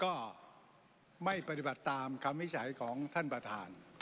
ก็ไม่ปฏิบัติตามคำวิจัยของท่านประธาน